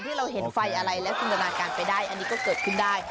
ที่เราเห็นไฟอะไรและจินตนาการไปได้อันนี้ก็เกิดขึ้นได้